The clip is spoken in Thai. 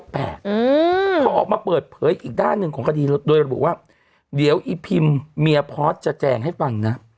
เขาออกมาเปิดเผยอีกด้านหนึ่งของคดีโดยระบุว่าเดี๋ยวอีพิมเมียพอสจะแจงให้ฟังนะ